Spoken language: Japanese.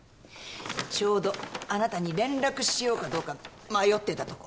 ちょうどあなたに連絡しようかどうか迷ってたとこ。